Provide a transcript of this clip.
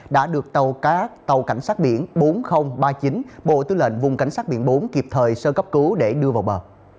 đã được tàu cá tàu cảnh sát biển bốn nghìn ba mươi chín bộ tư lệnh vùng cảnh sát biển bốn kịp thời sơ cấp cứu để đưa vào bờ